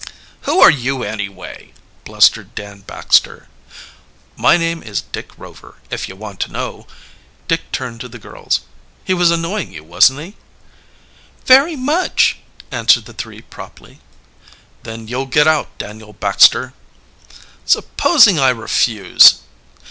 "Who are you anyway?" blustered Dan Baxter. "My name is Dick Rover, if you want, to know." Dick turned to the girls. "He was annoying you, wasn't he?" "Very much," answered the three promptly. "Then you'll get out, Daniel Baxter." "Supposing I refuse?"